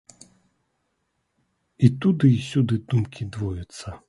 І туды й сюды думкі двояцца.